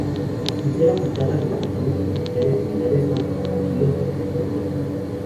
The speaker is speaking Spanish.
Sin ser aplicadas restricciones publicitarias similares, son acogidos en estos bloques.